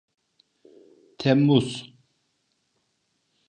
Temmuz…